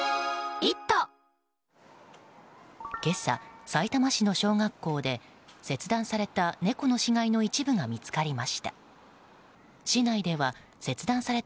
今朝、さいたま市の小学校で切断された猫の死骸の一部が見つかりました。